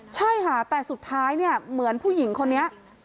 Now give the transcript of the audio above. ใช่ค่ะแต่สุดท้ายเนี่ยเหมือนผู้หญิงคนนี้